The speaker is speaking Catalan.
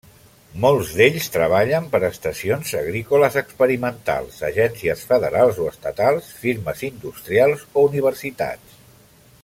Molts d'ells treballen per estacions agrícoles experimentals, agències federals o estatals, firmes industrials o universitats.